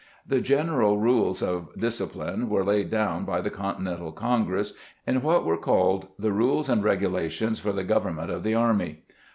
The general rules of discipline were laid down by the Continental Congress in what were called "The Rules and Regulations for the Government of the Army".